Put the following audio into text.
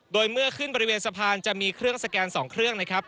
โดยเมื่อขึ้นบริเวณสะพานจะมีเครื่องสแกน๒เครื่องนะครับ